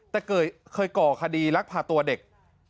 แต่เคยก่อคดีลักพาตัวเด็ก